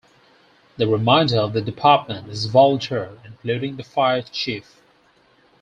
The remainder of the department is volunteer including the Fire Chief.